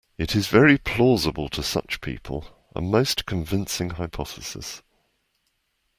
It is very plausible to such people, a most convincing hypothesis.